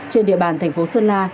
trên địa bàn thành phố sơn la